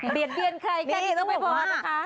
เบียนเบียนใครแค่ถูกเลยพอนะคะ